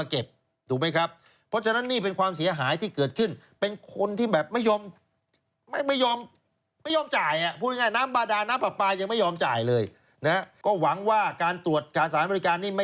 เขามีปีหมายจะตรวจการใช่ไหม